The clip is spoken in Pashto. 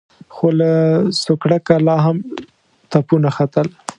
خو له سوکړکه لا هم تپونه ختل.